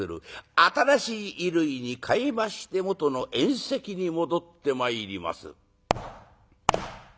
新しい衣類に替えまして元の宴席に戻ってまいります。